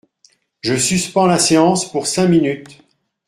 Je suspends la séance pour cinq minutes.